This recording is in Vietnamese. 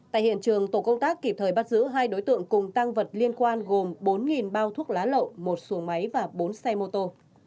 tại hiện trường tổ công tác kịp thời bắt giữ hai đối tượng cùng tăng vật liên quan gồm bốn bao thuốc lá lậu một xuồng máy và bốn xe mô tô